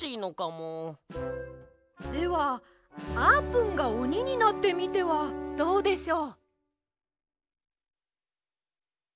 ではあーぷんがおにになってみてはどうでしょう？